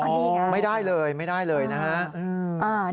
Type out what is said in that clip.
อ๋อนี่ไงไม่ได้เลยนะฮะอืม